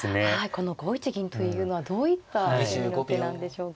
この５一銀というのはどういった意味の手なんでしょうか。